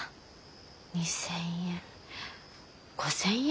２，０００円５，０００円？